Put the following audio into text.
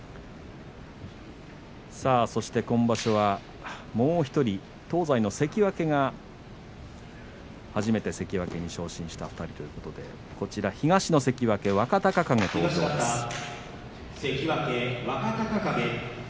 そして今場所はもう１人東西の関脇が初めて関脇に昇進した２人ということで東の関脇若隆景、登場です。